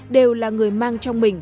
đều là người mang trong mình